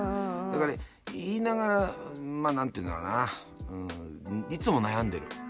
だから言いながらまあ何て言うんだろうなうんいつも悩んでる。